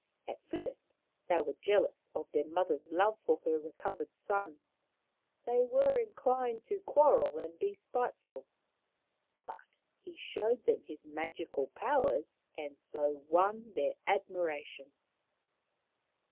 At first they were jealous of their mother's love for her recovered son ; they were inclined to quarrel and be spite ful. But he showed them his magic powers and so won their admiration.